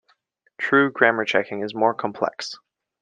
True grammar checking is more complex.